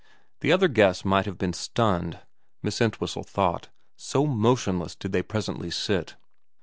The other guests might have been stunned, Miss Entwhistle thought, so motionless did they pre sently sit.